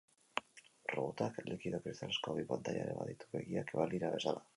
Robotak likido kristalezko bi pantaila ere baditu, begiak balira bezala.